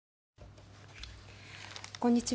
こんにちは。